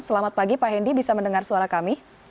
selamat pagi pak hendy bisa mendengar suara kami